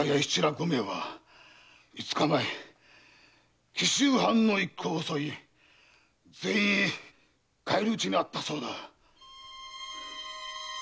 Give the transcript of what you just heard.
五名は五日前紀州藩の一行を襲い全員返り討ちにあったそうだ。